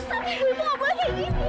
tapi ibu enggak boleh kayak gini